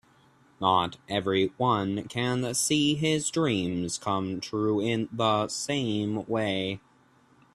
Not everyone can see his dreams come true in the same way.